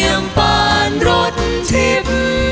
เยี่ยมปานรดทิบ